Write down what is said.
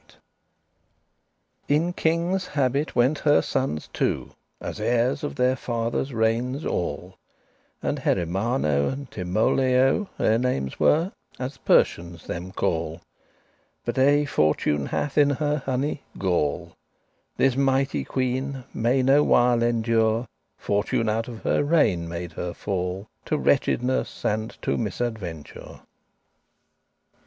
*troops In kinges' habit went her sones two, As heires of their father's regnes all; And Heremanno and Timolao Their names were, as Persians them call But aye Fortune hath in her honey gall; This mighty queene may no while endure; Fortune out of her regne made her fall To wretchedness and to misadventure.